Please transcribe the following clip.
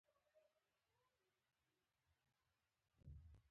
په میتابالنډ کې د تاوتریخوالي بوږنوونکې پېښې وشوې.